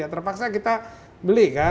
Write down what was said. terpaksa kita beli kan